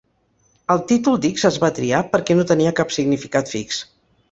El títol d'"X" es va triar perquè no tenia cap significat fix.